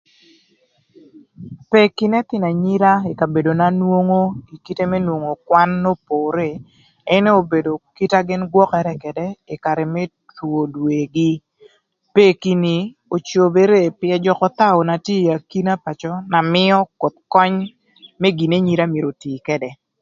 Peki n'ëthïnö anyira ï kabedona nwongo ï kite më nwongo kwan n'opore ënë obedo kite na gïn gwökërë ködë ï karë më two dwegï. Peki ni, ocobere pï ëjököthaü na tye ï akina pacö na mïö koth köny më gin n'enyira mïtö otii ködë.